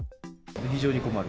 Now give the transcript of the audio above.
非常に困る。